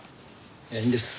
いえいいんです。